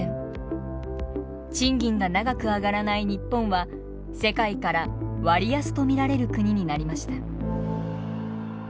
賃金が長く上がらない日本は世界から割安と見られる国になりました。